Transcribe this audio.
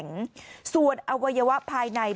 โปรดติดตามต่อไป